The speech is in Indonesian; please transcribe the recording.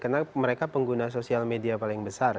karena mereka pengguna sosial media paling besar